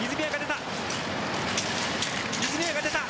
泉谷が出た。